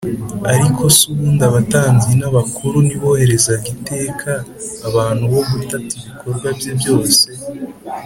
”ariko se ubundi abatambyi n’abakuru ntiboherezaga iteka abantu bo gutata ibikorwa bye byose,